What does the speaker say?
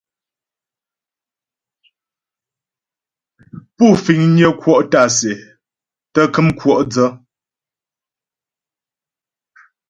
Pú fiŋnyə kwɔ' tǎ'a sɛ tə́ kəm kwɔ' dsə.